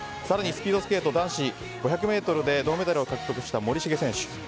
更にスピードスケート男子５００ｍで銅メダルを獲得した森重選手